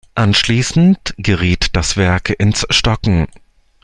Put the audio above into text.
Anschließend geriet das Werk ins Stocken.